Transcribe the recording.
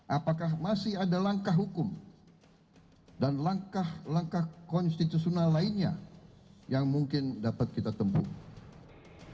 apakah masih ada langkah hukum dan langkah langkah konstitusional lainnya yang mungkin dapat kita tempuh